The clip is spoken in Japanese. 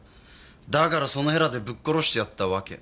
だからそのへらでぶっ殺してやったわけ。